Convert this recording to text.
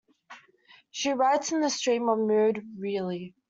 She writes in a stream of mood really.